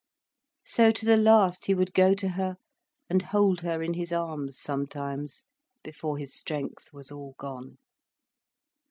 So to the last he would go to her and hold her in his arms sometimes, before his strength was all gone.